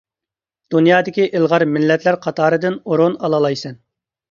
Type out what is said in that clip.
دۇنيادىكى ئىلغار مىللەتلەر قاتارىدىن ئورۇن ئالالايسەن.